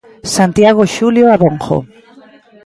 Santiago Xulio Abonjo.